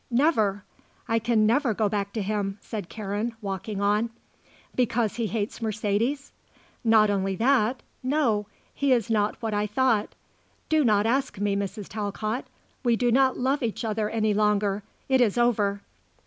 Never. I can never go back to him," said Karen, walking on. "Because he hates Mercedes?" "Not only that. No. He is not what I thought. Do not ask me, Mrs. Talcott. We do not love each other any longer. It is over."